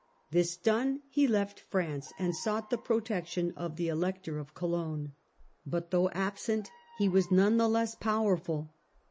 This done he left France, and sought the protection of the Elector of Cologne. But though absent, he was none the less powerful.